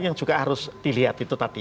yang juga harus dilihat itu tadi